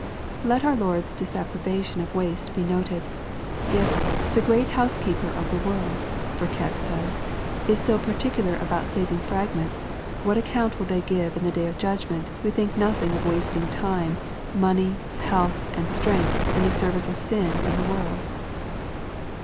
] Let our Lord's disapprobation of waste be noted. If "the great Housekeeper of the world, Burkitt says, "is so particular about saving fragments, what account will they give in the day of judgment, who think nothing of wasting time, money, health, and strength in the service of sin and the world?"